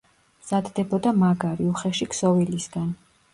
მზადდებოდა მაგარი, უხეში ქსოვილისგან.